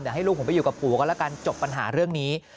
เดี๋ยวให้ลูกผมไปอยู่กับปู่ก็แล้วกันจบปัญหาเรื่องนี้